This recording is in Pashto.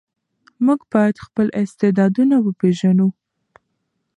موږ باید خپل استعدادونه وپېژنو.